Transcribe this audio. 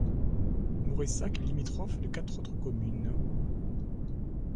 Mauressac est limitrophe de quatre autres communes.